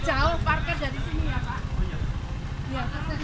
jauh parkir dari sini ya pak